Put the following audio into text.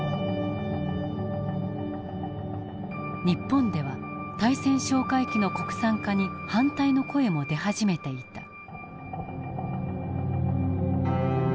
日本では対潜哨戒機の国産化に反対の声も出始めていた。